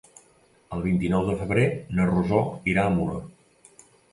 El vint-i-nou de febrer na Rosó irà a Muro.